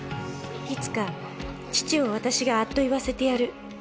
いつか父を私があっと言わせてやる